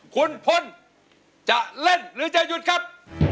คุณพลจะเล่นหรือจะหยุดครับ